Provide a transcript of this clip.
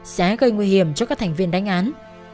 sẽ gây nguy hiểm cho các thành viên đánh án